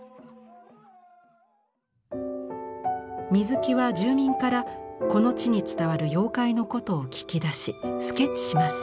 水木は住民からこの地に伝わる妖怪のことを聞き出しスケッチします。